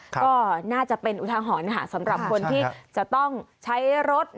ก็น่าจะเป็นอุทาหรณ์ค่ะสำหรับคนที่จะต้องใช้รถ